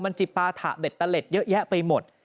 มันจิบปาถะเด็ดเยอะแยะไปหมด